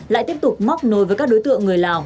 lại tiếp tục móc nối với các đối tượng người lào